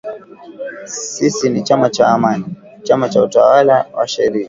Sisi ni chama cha Amani, chama cha utawala wa sharia